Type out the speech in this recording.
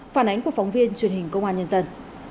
phản ánh của phóng viên truyền hình công an nhân dân